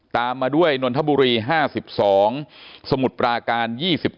ตามมาด้วยนนทบุรี๕๒สมุทรปราการ๒๙